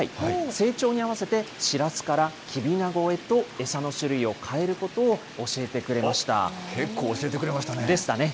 成長に合わせてシラスからキビナゴへと餌の種類を変えることを教結構教えてくれましたね。